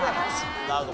なるほど。